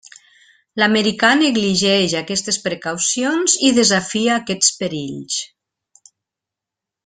L'americà negligeix aquestes precaucions i desafia aquests perills.